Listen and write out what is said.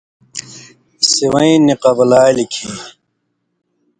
سِوَیں نی قبلالیۡ کھیں